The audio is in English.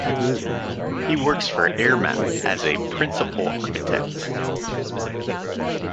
He works for AirMap as "Principle Architect".